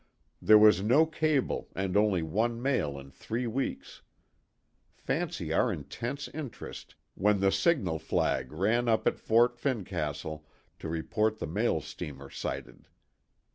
There was no cable, and only one mail in three weeks ! Fancy our intense interest when the signal flag ran up at Fort Fincastle to report the mail steamer sighted.